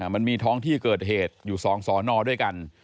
มันมีท้องที่เกิดเหตุอยู่๒สอนอด้วยกัน